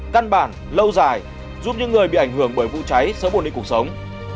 căn bản lâu dài giúp những người bị ảnh hưởng bởi vụ cháy sớm buồn đi cuộc sống